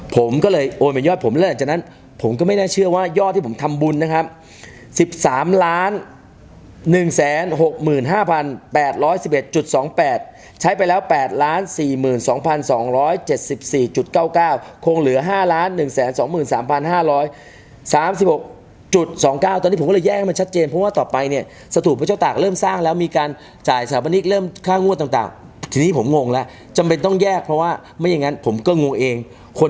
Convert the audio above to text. ผมก็เลยโอนเป็นยอดผมแล้วจากนั้นผมก็ไม่น่าเชื่อว่ายอดที่ผมทำบุญนะครับสิบสามล้านหนึ่งแสนหกหมื่นห้าพันแปดร้อยสิบเอ็ดจุดสองแปดใช้ไปแล้วแปดล้านสี่หมื่นสองพันสองร้อยเจ็ดสิบสี่จุดเก้าเก้าคงเหลือห้าล้านหนึ่งแสนสองหมื่นสามพันห้าร้อยสามสิบหกจุดสองเก้าตอนนี้ผมก็เลยแย่งให้มันชัดเจนเพราะว